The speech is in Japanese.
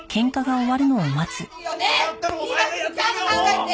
今すぐちゃんと考えて！